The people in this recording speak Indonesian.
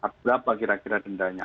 berapa kira kira dendanya